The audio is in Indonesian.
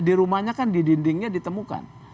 di rumahnya kan di dindingnya ditemukan